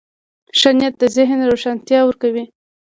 ښه نیت د ذهن روښانتیا ورکوي.